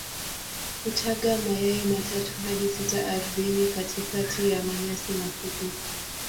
Hutaga mayai matatu hadi sita ardhini katikati ya manyasi mafupi.